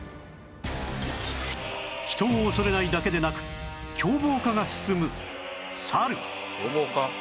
人を恐れないだけでなく凶暴化が進むサル